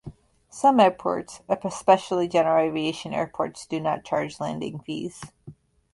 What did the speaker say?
Some airports, especially general aviation airports, do not charge landing fees.